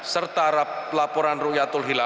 serta laporan ru'yatul